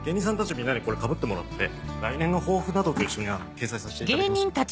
みんなにこれかぶってもらって来年の抱負などと一緒に掲載させていただきますので。